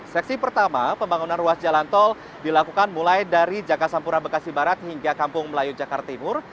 seksi pertama pembangunan ruas jalan tol dilakukan mulai dari jakarta sampura bekasi barat hingga kampung melayu jakarta timur